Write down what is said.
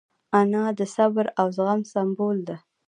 انا د صبر او زغم سمبول ده